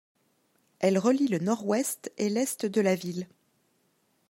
Elle relie le Nord-Ouest et l'Est de la ville.